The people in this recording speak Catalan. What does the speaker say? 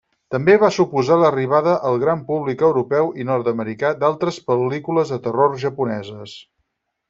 També va suposar l'arribada al gran públic europeu i nord-americà d'altres pel·lícules de terror japoneses.